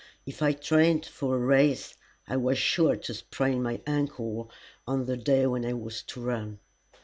If I trained for a race, I was sure to sprain my ankle on the day when I was to run.